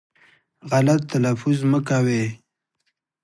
غلط تلفظ مه کوی